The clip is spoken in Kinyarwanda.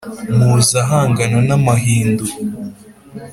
muzi ahangana n'amahindu